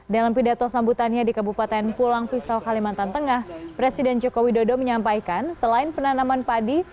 dalam pidato sambutannya di kabupaten pulang pisau kalimantan tengah presiden joko widodo menyampaikan selain penanaman padi